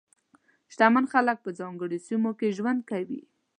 شتمن خلک په ځانګړو سیمو کې ژوند کوي.